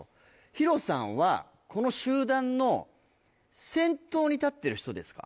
ＨＩＲＯさんはこの集団の先頭に立ってる人ですか？